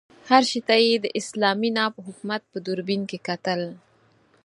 هر شي ته یې د اسلامي ناب حکومت په دوربین کې کتل.